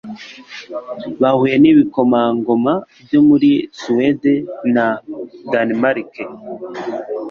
Bahuye n'ibikomangoma byo muri Suwede na Danemark.